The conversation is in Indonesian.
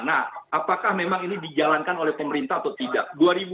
nah apakah memang ini dijalankan oleh pemerintah atau tidak